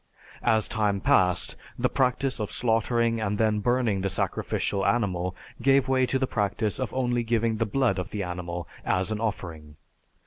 As time passed, the practice of slaughtering and then burning the sacrificial animal gave way to the practice of only giving the blood of the animal as an offering.